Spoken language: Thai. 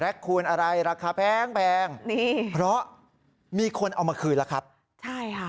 คูณอะไรราคาแพงแพงนี่เพราะมีคนเอามาคืนแล้วครับใช่ค่ะ